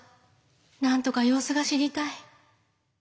なんとか様子が知りたい。